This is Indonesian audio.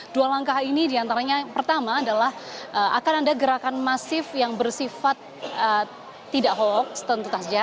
dua langkah ini diantaranya pertama adalah akan ada gerakan masif yang bersifat tidak hoax tentu saja